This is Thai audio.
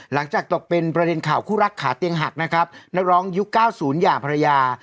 หลังจากตกเป็นประเด็นข่าวคู่รักขาเตียงหักนะครับนักร้องยุค๙๐อย่างภรรยา